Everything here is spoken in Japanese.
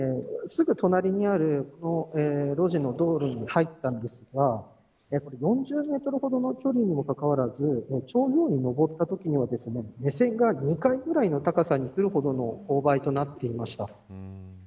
すぐ隣にある路地の道路に入ったのですが４０メートルほどの距離にもかかわらず頂上に上ったときには目線が２階ぐらいの高さになるほどの勾配となっていました。